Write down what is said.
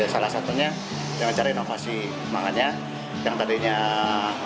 salah satunya dengan cara inovasi mangannya yang tadinya adonan asin